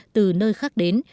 từ nơi khác đến